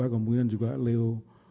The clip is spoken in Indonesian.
kemungkinan juga leo